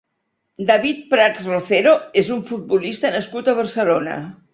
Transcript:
David Prats Rocero és un futbolista nascut a Barcelona.